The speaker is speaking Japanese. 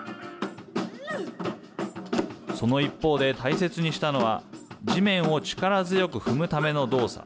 その一方で大切にしたのは地面を力強く踏むための動作。